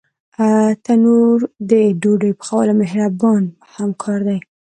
تنور د ډوډۍ د پخلي مهربان همکار دی